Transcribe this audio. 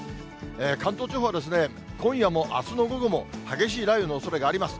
関東地方は今夜も、あすの午後も、激しい雷雨のおそれがあります。